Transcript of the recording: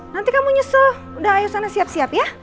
nanti kamu nyusul udah ayo sana siap siap ya